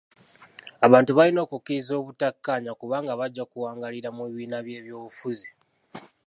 Abantu balina okukkiriza obutakkaanya kubanga bajja kuwangaalira mu bibiina by'ebyobufuzi.